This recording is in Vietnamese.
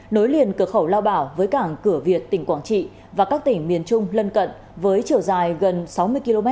nối liền cửa khẩu lao bảo với cảng cửa việt tỉnh quảng trị và các tỉnh miền trung lân cận với chiều dài gần sáu mươi km